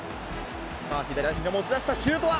さあ、左足で持ち出したシュートは？